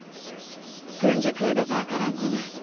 軍事クーデターから２年。